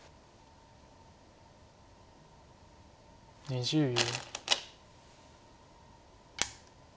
２０秒。